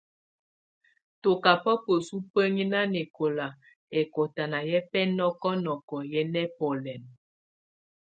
Tɔ kaba bəsu bəŋi nanɛkɔla ɛkɔtana yɛ bɛnɔkɔnɔkɔ bɛ nɛbɔlɛn.